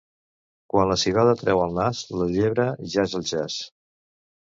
Quan la civada treu el nas, la llebre ja és al jaç.